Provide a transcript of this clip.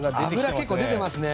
脂結構出てますね。